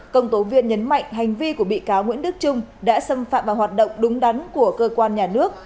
công tố viên nhấn mạnh hành vi của bị cáo nguyễn đức trung đã xâm phạm vào hoạt động đúng đắn của cơ quan nhà nước